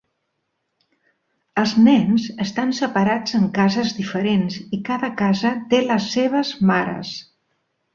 Els nens estan separats en cases diferents i cada casa té les seves "mares".